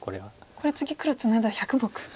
これ次黒ツナいだら１００目。